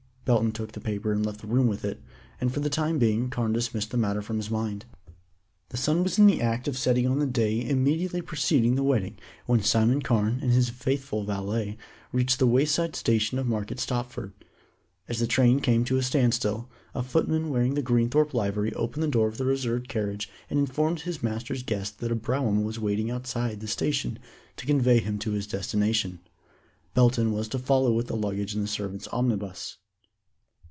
Belton took the paper and left the room with it, and for the time being Carne dismissed the matter from his mind. The sun was in the act of setting on the day immediately preceding the wedding when Simon Carne and his faithful valet reached the wayside station of Market Stopford. As the train came to a standstill, a footman wearing the Greenthorpe livery opened the door of the reserved carriage and informed his master's guest that a brougham was waiting outside the station to convey him to his destination. Belton was to follow with the luggage in the servants' omnibus.